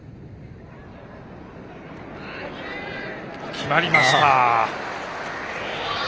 決まりました！